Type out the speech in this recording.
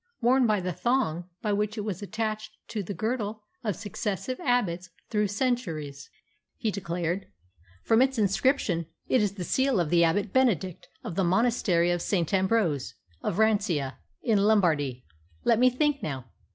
"Worn by the thong by which it was attached to the girdle of successive abbots through centuries," he declared. "From its inscription, it is the seal of the Abbot Benedict of the Monastery of St. Ambrose, of Rancia, in Lombardy. Let me think, now.